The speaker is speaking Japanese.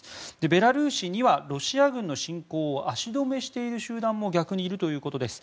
ベラルーシにはロシア軍の侵攻を足止めしている集団も逆にいるということです。